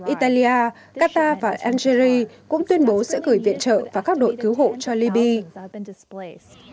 italia qatar và algeria cũng tuyên bố sẽ gửi viện trợ và các đội cứu hộ cho libya